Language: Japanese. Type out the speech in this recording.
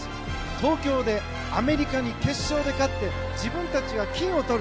東京でアメリカに決勝で勝って自分たちが金をとる。